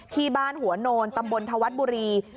ที่บ้านหัวโนนตำบลธวัฒน์บุรี